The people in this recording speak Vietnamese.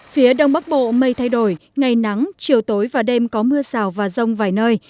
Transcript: phía đông bắc bộ mây thay đổi ngày nắng chiều tối và đêm có mưa rào và rông vài nơi